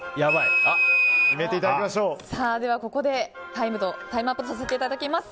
ではここでタイムアップとさせていただきます。